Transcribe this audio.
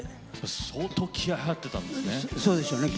相当気合いが入っていたんですね。